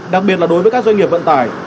đặc biệt là đối với các doanh nghiệp vận tải